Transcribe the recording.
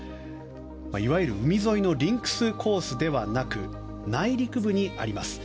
いわゆる海沿いのリンクスコースではなく内陸部にあります。